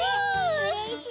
うれしい！